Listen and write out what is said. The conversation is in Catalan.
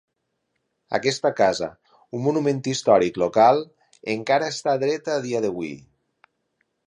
Aquesta casa, un monument històric local, encara està dreta a dia d'avui.